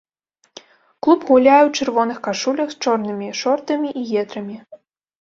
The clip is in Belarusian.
Клуб гуляе ў чырвоных кашулях з чорнымі шортамі і гетрамі.